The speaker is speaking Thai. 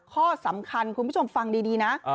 ข้อสำคัญคุณผู้ชมฟังดีนะ